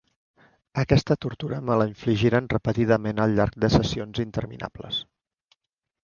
Aquesta tortura me la infligiren repetidament al llarg de sessions interminables.